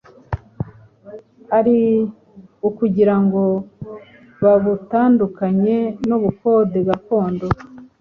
ari ukugira ngo babutandukanye n' ubukonde gakondo.